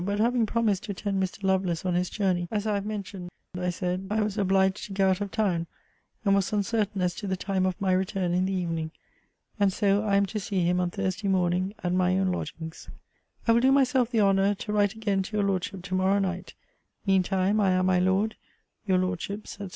But having promised to attend Mr. Lovelace on his journey, as I have mentioned, I said, I was obliged to go out of town, and was uncertain as to the time of my return in the evening. And so I am to see him on Thursday morning at my own lodgings. I will do myself the honour to write again to your Lordship to morrow night. Mean time, I am, my Lord, Your Lordship's, &c.